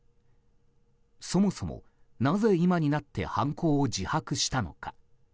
そもそも、なぜ今になって犯行を自白したのか。